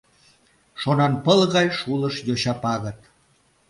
Шонанпыл гай шулыш йоча пагыт.